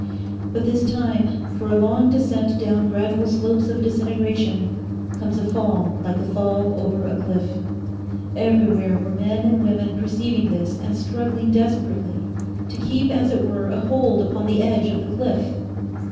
But this time, for a long descent down gradual slopes of disintegration, comes a fall like a fall over a cliff. Everywhere were men and women perceiving this and struggling desperately to keep as it were a hold upon the edge of the cliff.